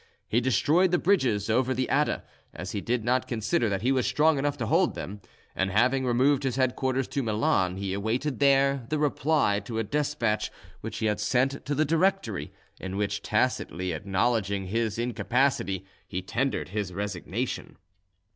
He destroyed the bridges over the Adda, as he did not consider that he was strong enough to hold them, and, having removed his headquarters to Milan, he awaited there the reply to a despatch which he had sent to the Directory, in which, tacitly acknowledging his incapacity, he tendered his resignation.